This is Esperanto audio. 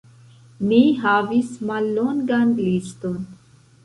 Ni havis mallongan liston.